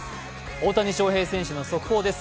大谷翔平選手の速報です。